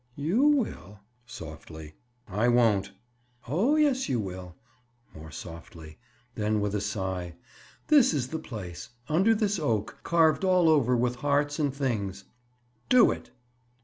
"You will." Softly. "I won't." "Oh, yes, you will." More softly. Then with a sigh: "This is the place. Under this oak, carved all over with hearts and things. Do it."